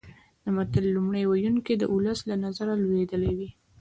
د متل لومړی ویونکی د ولس له نظره لوېدلی وي